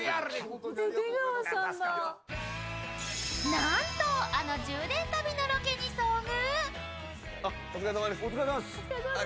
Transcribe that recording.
なんと、あの充電旅のロケに遭遇。